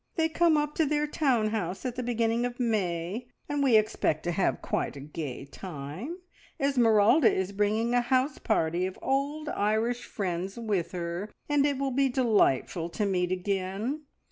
They come up to their town house at the beginning of May, and we expect to have quite a gay time. Esmeralda is bringing a house party of old Irish friends with her, and it will be delightful to meet again.